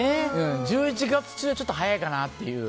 １１月中はちょっと早いかなっていう。